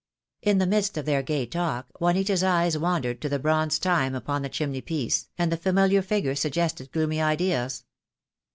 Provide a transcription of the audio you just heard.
In the midst of their gay talk Juanita's eyes wandered to the bronze Time upon the chimney piece, and the familiar figure suggested gloomy ideas.